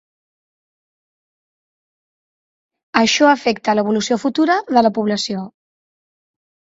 Això afecta l'evolució futura de la població.